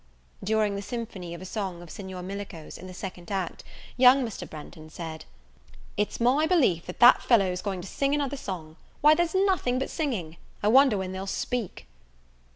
During the symphony of a song of Signor Millico's, in the second act, young Mr. Branghton said, "It's my belief that that fellow's going to sing another song! why, there's nothing but singing! I wonder when they'll speak."